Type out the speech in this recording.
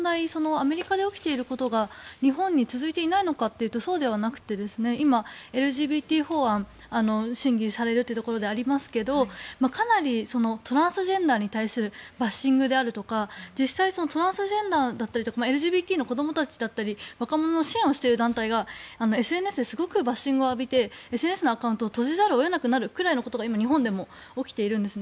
アメリカで起きていることが日本に続いていないのかというとそうではなくて今、ＬＧＢＴ法案審議されるというところでありますけどかなりトランスジェンダーに対するバッシングであったりとか実際トランスジェンダーだったりＬＧＢＴの子どもたちだったり若者を支援している団体がＳＮＳですごくバッシングを浴びてＳＮＳのアカウントを閉じざるを得なくなるぐらいのことが今、日本でも起きているんです。